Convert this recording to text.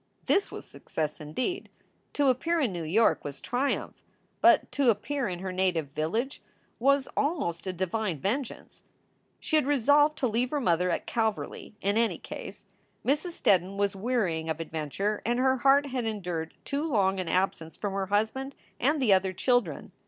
This was success indeed! To appear in New York was triumph, but to appear in her native village was almost a divine vengeance. She had resolved to leave her mother at Calverly, in any case. Mrs. Steddon was wearying of adventure and her heart had endured too long an absence from her husband and the other children.